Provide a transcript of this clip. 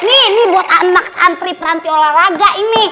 ini buat anak santri peranti olahraga ini